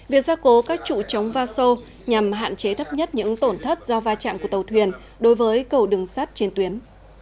việc gia cố các trụ trống va sô nhằm hạn chế thấp nhất những tổn thất do va chạm của tàu thuyền đối với cầu đường sắt trên tuyến